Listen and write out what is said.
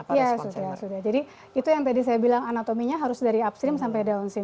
iya sudah jadi itu yang tadi saya bilang anatominya harus dari upstream sampai downstream